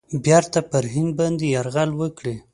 بیرته پر هند باندي یرغل وکړي.